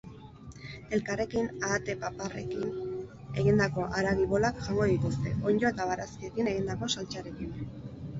Elkarrekin, ahate-paparrarekin egindako haragi-bolak jango dituzte, onddo eta barazkiekin egindako saltsarekin.